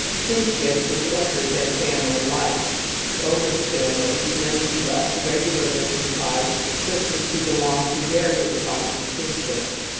Kinship is older than family life ; the oldest families known to us regularly comprised persons who belonged to various bonds of kin ship.